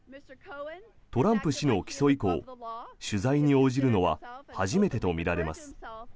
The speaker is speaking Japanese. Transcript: トランプ氏の起訴以降取材に応じるのは初めてとみられます。